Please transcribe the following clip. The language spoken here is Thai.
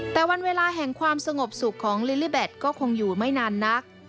แต่วันเวลาแห่งความสงบสุขของลิลลี่แบตก็คงอยู่ไม่นานนัก